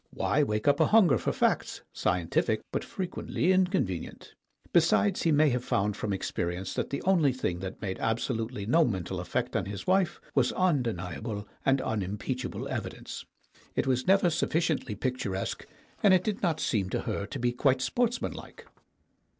Why wake up a hunger for facts, scientific but frequently inconvenient? Besides, he may have found from experience that the only thing that made absolutely no mental effect on his wife was undeniable and unimpeachable evidence. It was never i 82 STORIES WITHOUT TEARS sufficiently picturesque, and it did not seem to her to be quite sportsmanlike.